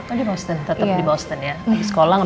oh di boston tetap di boston ya